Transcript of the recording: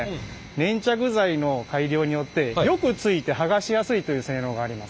粘着剤の改良によってよくついてはがしやすいという性能があります。